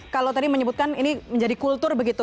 kalau tadi menyebutkan ini menjadi kultur begitu